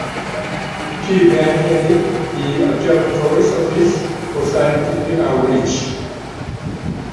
He then headed the Observatory’s office for scientific outreach.